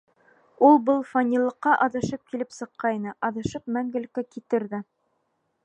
Ул был фанилыҡҡа аҙашып килеп сыҡҡайны, аҙашып мәңгелеккә китер ҙә.